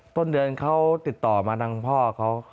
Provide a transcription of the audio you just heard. ต้นเดือนเขาติดต่อมาทางพ่อเขา